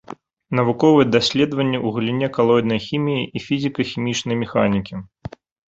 Навуковыя даследаванні ў галіне калоіднай хіміі і фізіка-хімічнай механікі.